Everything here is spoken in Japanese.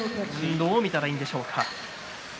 どう見たらいいでしょうか。